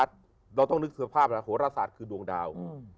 เราต้องนึกสภาพโหรศาสตร์คือดวงดาว